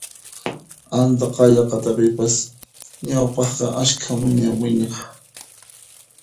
Antaqalla qhatapipas ñawpaqqa askha muña wiñaq